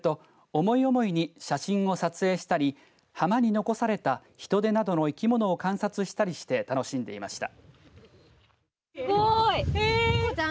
そして、上陸すると思い思いに、写真を撮影したり浜に残されたヒトデなどの生き物を観察したりして楽しんでいました。